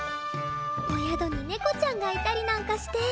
お宿に猫ちゃんがいたりなんかして。